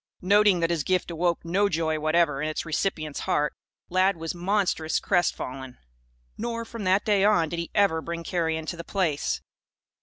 Noting that his gift awoke no joy whatever in its recipient's heart, Lad was monstrous crestfallen. Nor, from that day on, did he ever bring carrion to the Place.